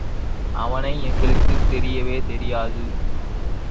அவனை எங்களுக்கு தெரியவே தெரியாது.